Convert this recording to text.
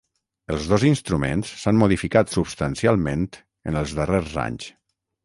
Els dos instruments s'han modificat substancialment en els darrers anys.